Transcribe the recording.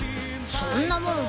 そんなもん